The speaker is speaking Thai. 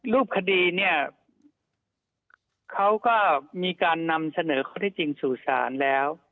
รูปคดีเนี่ยเขาก็มีการนำเสนอข้อที่จริงสู่ศาลแล้ว